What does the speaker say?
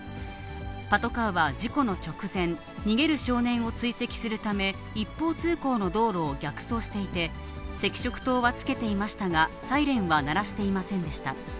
パトカーは事故の直前、逃げる少年を追跡するため、一方通行の道路を逆走していて、赤色灯はつけていましたが、サイレンは鳴らしていませんでした。